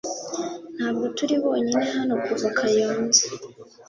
Ntabwo turi bonyine hano kuva Kayonza .